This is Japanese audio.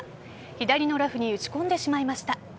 左のラフに打ち込んでしまいました。